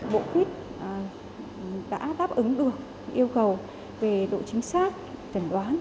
bộ khuyết đã đáp ứng được yêu cầu về độ chính xác tẩn đoán